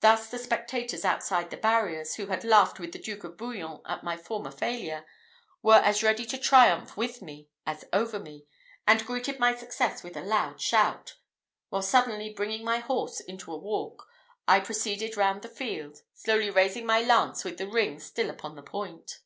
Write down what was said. Thus the spectators outside the barriers, who had laughed with the Duke of Bouillon at my former failure, were as ready to triumph with me, as over me, and greeted my success with a loud shout; while suddenly bringing my horse into a walk, I proceeded round the field, slowly raising my lance with the ring still upon the point.